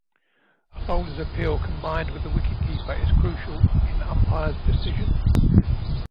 A bowler's appeal combined with the wicket keeper is crucial in umpire's decision.